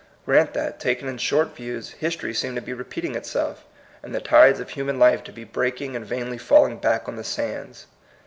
Giant that, taken in short views, history seemed to be repeating itself, and the tides of human life to be breaking and vainly falling back on the sands.